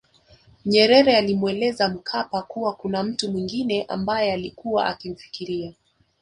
Nyerere alimweleza Mkapa kuwa kuna mtu mwengine ambaye ailikuwa akimfikiria